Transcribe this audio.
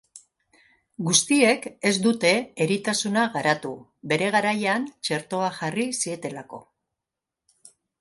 Guztiek ez dute eritasuna garatu, bere garaian txertoa jarri zietelako.